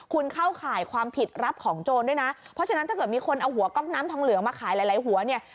คุณเข้าข่ายความผิดรับของโจรด้วยนะเพราะฉะนั้นถ้าเกิดมีคนเอาหัวก๊อกน้ำทองเหลืองมาขายหลายหัวเนี่ย